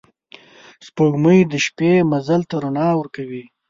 سپوږمۍ د شپې مزل ته رڼا ورکوي